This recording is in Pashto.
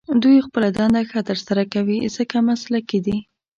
دوی خپله دنده ښه تر سره کوي، ځکه مسلکي دي.